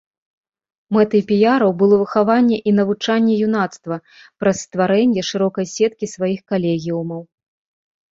Мэтай піяраў было выхаванне і навучанне юнацтва праз стварэнне шырокай сеткі сваіх калегіумаў.